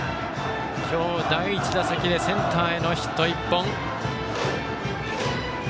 今日、第１打席でセンターへのヒット１本。